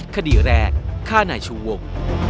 คดีแรกฆ่านายชูวง